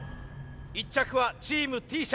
１着はチームＴ社。